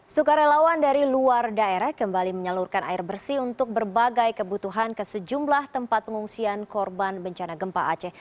sukarelawan dari luar daerah kembali menyalurkan air bersih untuk berbagai kebutuhan ke sejumlah tempat pengungsian korban bencana gempa aceh